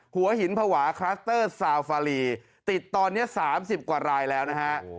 หัวหินภาวะคลัสเตอร์ซาวฟาลีติดตอนนี้๓๐กว่ารายแล้วนะฮะ